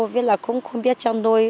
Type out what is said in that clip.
ví dụ là cũng không biết cho nuôi